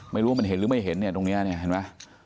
ไม่รู้ว่ามันเห็นหรือไม่เห็นเนี่ยตรงนี้เนี่ยเห็นไหม